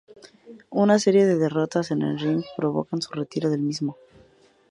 Una serie de derrotas en el ring provocan su retiro del mismo.